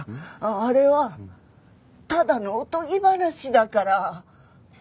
あれはただのおとぎ話だから。